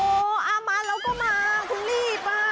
โบ๊ะมาเราก็มาคุณรีบ